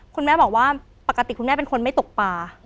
คุณแม่บอกว่าปกติคุณแม่เป็นคนไม่ตกป่า